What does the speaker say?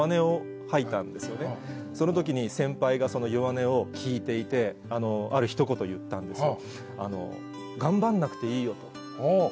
その時に先輩がその弱音を聞いていてある一言を言ったんですよ。